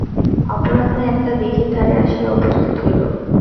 অপরাহ্নে একটা দিঘির ধারে আসিয়া উপস্থিত হইল।